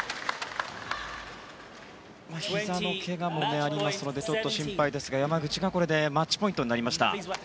ひざのけがもありますのでちょっと心配ですが山口、これでマッチポイント。